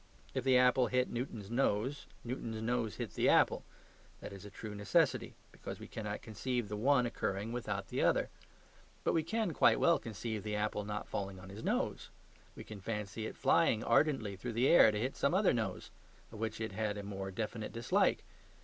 If the apple hit Newton's nose, Newton's nose hit the apple. That is a true necessity: because we cannot conceive the one occurring without the other. But we can quite well conceive the apple not falling on his nose; we can fancy it flying ardently through the air to hit some other nose, of which it had a more definite dislike.